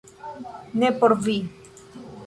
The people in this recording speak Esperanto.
- Ne por vi